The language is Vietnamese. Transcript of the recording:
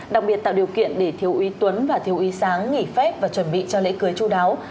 đặc biệt tạo điều kiện để thiếu uy tuấn và thiếu y sáng nghỉ phép và chuẩn bị cho lễ cưới chú đáo